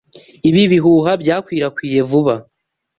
Ibi bihuha byakwirakwiriye vuba.